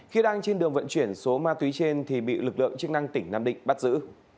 khi đang trên đường vận chuyển số ma túy trên thì bị lực lượng chức năng tỉnh nam định bắt giữ